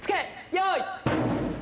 用意。